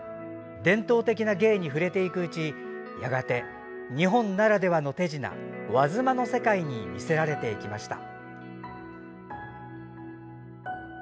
伝統的な芸に触れていくうちやがて日本ならではの手品・和妻の世界に魅せられていきました。